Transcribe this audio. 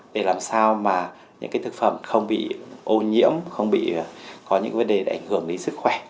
để làm sao mà những thực phẩm không bị ô nhiễm không bị có những vấn đề ảnh hưởng đến sức khỏe